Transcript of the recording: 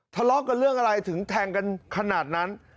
ทะเลาะกันเรื่องอะไรถึงแทงกันขนาดนั้น